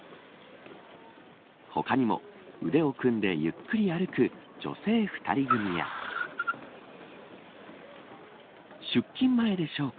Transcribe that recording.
他にも、腕を組んでゆっくり歩く女性２人組や出勤前でしょうか。